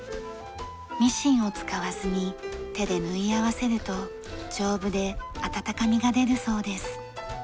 ミシンを使わずに手で縫い合わせると丈夫で温かみが出るそうです。